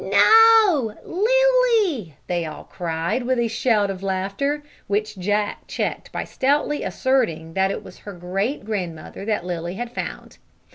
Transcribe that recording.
"No Lilly," they all cried, with a shout of laughter, which Jack checked by stoutly asserting that it was her great grandmother that Lilly had found.